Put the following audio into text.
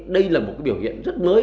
đây là một biểu hiện rất mới